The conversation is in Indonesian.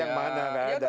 yang mana enggak ada